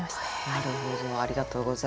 なるほどありがとうございます。